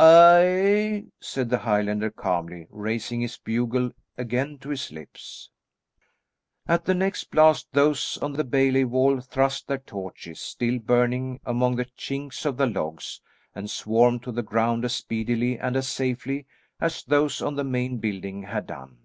"Aye," said the Highlander calmly, raising his bugle again to his lips. At the next blast those on the bailey wall thrust their torches, still burning among the chinks of the logs, and swarmed to the ground as speedily and as safely as those on the main building had done.